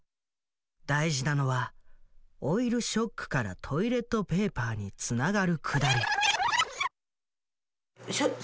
大事なのはオイルショックからトイレットペーパーにつながるくだり。